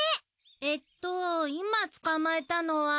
えっといま捕まえたのは。